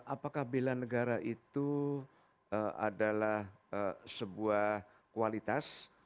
apakah bela negara itu adalah sebuah kualitas